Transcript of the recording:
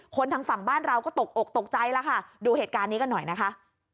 ทางฝั่งบ้านเราก็ตกอกตกใจแล้วค่ะดูเหตุการณ์นี้กันหน่อยนะคะ